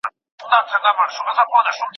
د حماسي برخې د مطالعې لپاره باید سیمه وکتل سي.